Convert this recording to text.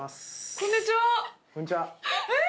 こんにちは。